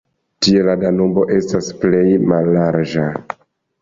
Tie la Danubo estas plej mallarĝa.